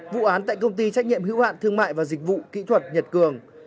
vụ án tại công ty trách nhiệm hữu hạn thương mại và dịch vụ kỹ thuật nhật cường